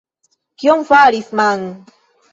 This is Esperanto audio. Kion faris Man?